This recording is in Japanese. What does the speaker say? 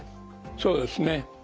そうですね。